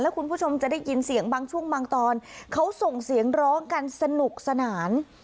คุณผู้ชมจะได้ยินเสียงบางช่วงบางตอนเขาส่งเสียงร้องกันสนุกสนาน